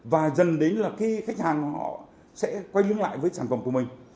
và dần đến là khách hàng họ sẽ quay lướng lại với sản phẩm của mình